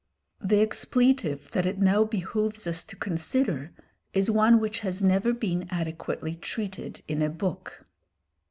The expletive that it now behoves us to consider is one which has never been adequately treated in a book.